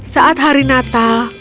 saat hari natal